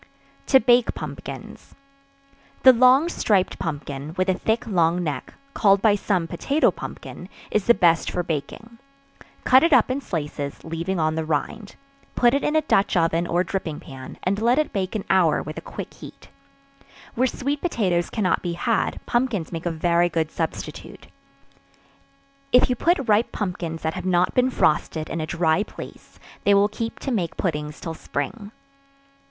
To Bake Pumpkins. The long striped pumpkin, with a thick long neck, called by some potato pumpkin, is the best for baking; cut it up in slices, leaving on the rind; put it in a dutch oven or dripping pan, and let it bake an hour with a quick heat. Where sweet potatoes cannot be had, pumpkins make a very good substitute. If you put ripe pumpkins that have not been frosted; in a dry place, they will keep to make puddings till spring.